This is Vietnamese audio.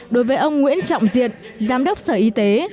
đối với ông nguyễn trọng diệt giám đốc sở y tế